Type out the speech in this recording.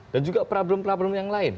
dan juga problem problem yang lain